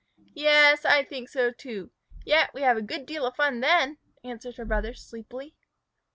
"Yes, I think so, too, yet we have a great deal of fun then," answered her brother, sleepily.